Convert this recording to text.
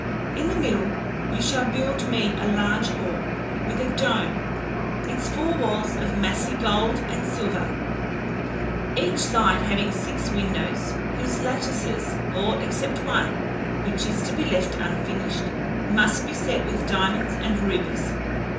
In the middle you shall build me a large hall with a dome, its four walls of massy gold and silver, each side having six windows, whose lattices, all except one which is to be left unfinished, must be set with diamonds and rubies.